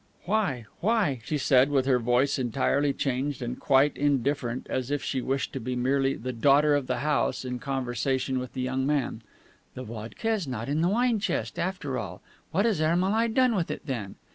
"Why, why," she said, with her voice entirely changed and quite indifferent, as if she wished to be merely 'the daughter of the house' in conversation with the young man, "the vodka is not in the wine chest, after all. What has Ermolai done with it, then?"